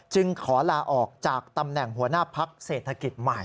ขอลาออกจากตำแหน่งหัวหน้าพักเศรษฐกิจใหม่